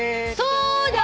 そうだ！